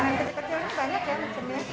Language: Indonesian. tanah yang terdekatnya banyak ya maksudnya